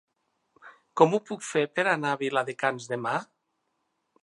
Com ho puc fer per anar a Viladecans demà?